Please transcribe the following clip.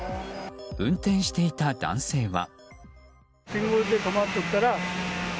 運転していた男性は。